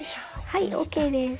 はいＯＫです。